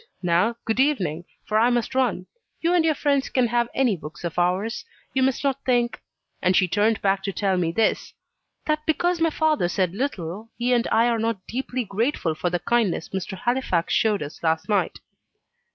Now, good evening, for I must run. You and your friend can have any books of ours. You must not think" and she turned back to tell me this "that because my father said little he and I are not deeply grateful for the kindness Mr. Halifax showed us last night."